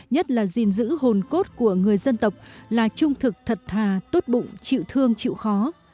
nhất là gìn giữ hồn cốt của người dân tộc là trung thực thật thà tốt bụng chịu thương chịu khó